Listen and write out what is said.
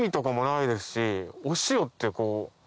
お塩ってこう。